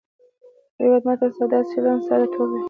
له یوه متن سره داسې چلند ساده توب وي.